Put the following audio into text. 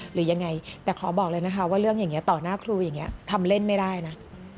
หรือยังไงแต่ขอบอกเลยนะคะว่าเรื่องอย่างนี้ต่อหน้าครูอย่างนี้ทำเล่นไม่ได้นะ